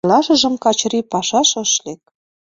Эрлашыжым Качырий пашаш ыш лек.